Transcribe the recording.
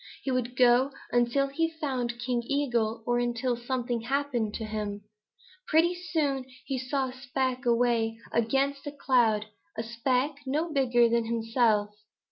He would go until he found King Eagle or until something happened to him. Pretty soon he saw a speck way up against a cloud, a speck no bigger than himself.